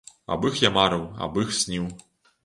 Аб іх я марыў, аб іх сніў.